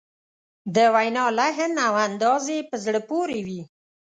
د وینا لحن او انداز یې په زړه پورې وي.